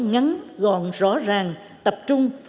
ngắn gọn rõ ràng tập trung